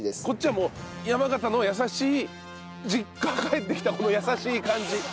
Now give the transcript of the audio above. こっちはもう山形の優しい実家帰ってきた優しい感じ。